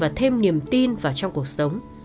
và thêm niềm tin vào trong cuộc sống